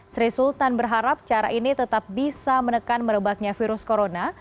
sri sultan berharap cara ini tetap bisa menekan merebaknya virus corona